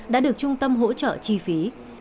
đã được trung tâm hỗ trợ chi phí